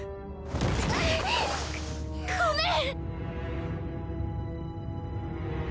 ごめん！